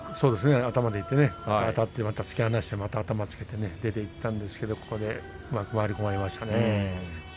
頭でいってあたって突き放してまた頭、あたって出ていったんですけれども土俵際、うまく回り込まれました。